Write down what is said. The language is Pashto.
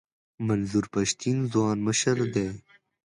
منظور پښتین ځوان مشر دی.